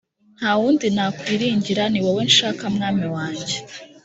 ntawundi nakwiringira ni wowe nshaka mwami wanjye